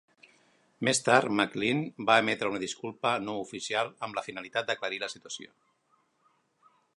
Més tard, MacLean va emetre una disculpa no oficial amb la finalitat d'aclarir la situació.